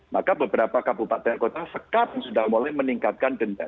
maka beberapa kabupaten kota sekap sudah mulai meningkatkan denda